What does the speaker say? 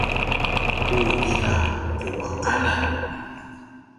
u ina qumaqanan